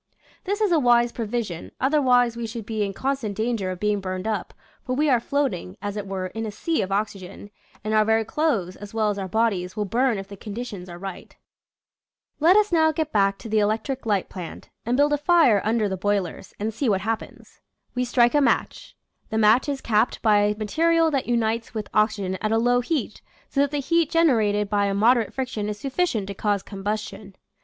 This is a wise provision, otherwise we should be in constant danger of being burned up, for we are floating, as it were, in a sea of oxygen, and our very clothes as well as our bodies will burn if the conditions are right. Let us now get back to the electric light {^\, Original from :{<~ UNIVERSITY OF WISCONSIN 140 nature's flBlraclee. plant, and build a fire under the boilers, and see what happens. We strike a match. The match is capped by material that unites with oxygen at a low heat, so that the heat gen erated by moderate friction is sufficient to cause combustion.